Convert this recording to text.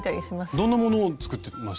どんなものを作ってました？